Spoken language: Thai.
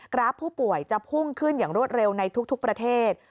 ราฟผู้ป่วยจะพุ่งขึ้นอย่างรวดเร็วในทุกประเทศ